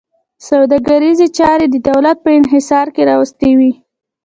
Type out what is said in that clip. سوداګریزې چارې د دولت په انحصار کې راوستې وې.